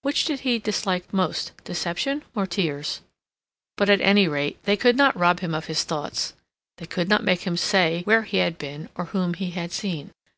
Which did he dislike most—deception or tears? But, at any rate, they could not rob him of his thoughts; they could not make him say where he had been or whom he had seen.